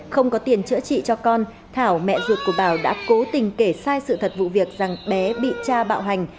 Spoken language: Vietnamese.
không có tiền chữa trị cho con thảo mẹ ruột của bảo đã cố tình kể sai sự thật vụ việc rằng bé bị cha bạo hành